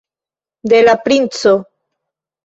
de la princo.